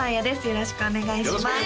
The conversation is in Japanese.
よろしくお願いします